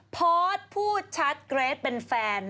พอสพูดชัดเกรทเป็นแฟน